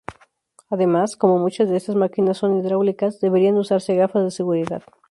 Además, como muchas de estas máquinas son hidráulicas, deberían usarse gafas de seguridad.